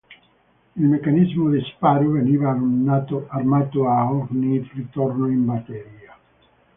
Il meccanismo di sparo veniva armato a ogni ritorno in batteria.